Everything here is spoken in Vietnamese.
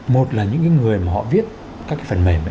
một là những cái người mà họ viết các cái phần mềm